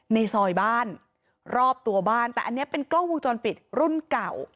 ในซอยบ้านรอบตัวบ้านแต่อันนี้เป็นกล้องวงจรปิดรุ่นเก่า